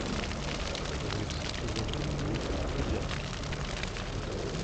Rue Cyprien Tillet, Figeac